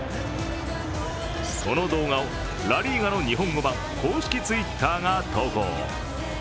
その動画をラ・リーガの日本語版公式Ｔｗｉｔｔｅｒが投稿。